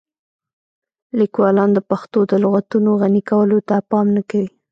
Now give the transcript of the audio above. لیکوالان د پښتو د لغتونو غني کولو ته پام نه کوي.